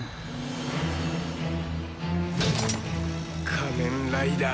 仮面ライダー。